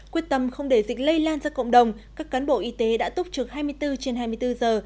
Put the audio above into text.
quyết tâm không để dịch lây lan ra cộng đồng các cán bộ y tế đã túc trực hai mươi bốn trên hai mươi bốn giờ